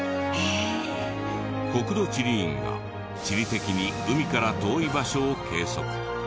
国土地理院が地理的に海から遠い場所を計測。